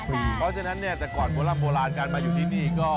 เพราะฉะนั้นเนี่ยแต่ก่อนโบราณโบราณการมาอยู่ที่นี่ก็